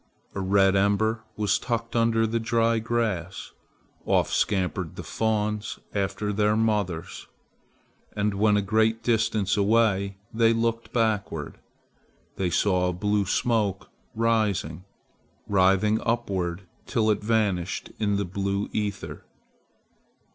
A red ember was tucked under the dry grass. Off scampered the fawns after their mothers; and when a great distance away they looked backward. They saw a blue smoke rising, writhing upward till it vanished in the blue ether.